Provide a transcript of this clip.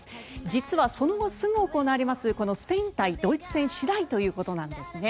実はその後すぐ行われますスペイン対ドイツ戦次第ということなんですね。